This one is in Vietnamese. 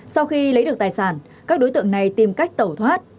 sau khi lấy được tài sản các đối tượng này tìm cách tẩu thoát